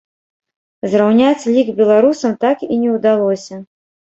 Зраўняць лік беларусам так і не ўдалося.